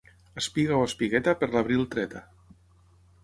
Espiga o espigueta, per l'abril treta.